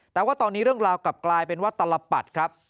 แต่ว่าตอนนี้เรื่องราวกลับกลายเป็นว่าตลปัดครับ